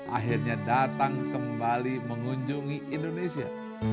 akhirnya datang kembali mengunjungi indonesia